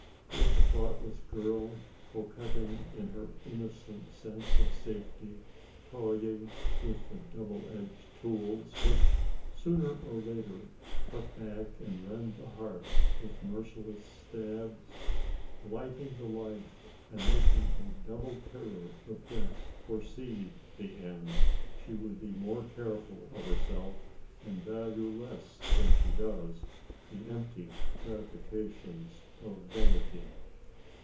Could the thoughtless girl, coquetting in her innocent sense of safety, toying with the double edged tools, which, sooner or later, cut back and 116 ALICE ; OR, THE WAGES OF SIN. rend the heart with merciless stabs, blighting the life and making a double terror of death, foresee the end, she would be more careful of herself, and value less, than she does, the empty gratifications of vanity.